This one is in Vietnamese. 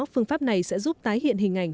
phương pháp này sẽ giúp tái hiện hình ảnh